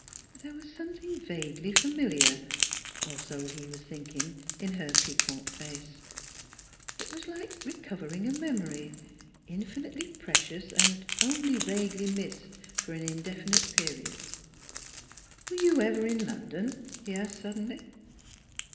There was something vaguely familiar or so he was thinking in her piquant face. It was like recovering a memory, NEIGHBORS 163 infinitely precious and only vaguely missed for an indefinite period. "Were you ever in London?" he asked sud denly.